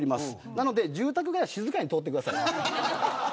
なので、住宅街は静かに通ってください。